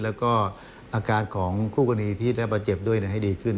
แล้วก็อาการของคู่กรณีที่ได้รับบาดเจ็บด้วยให้ดีขึ้น